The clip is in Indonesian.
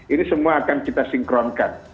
ini semua akan kita sinkronkan